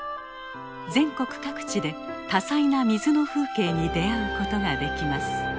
全国各地で多彩な水の風景に出会うことができます。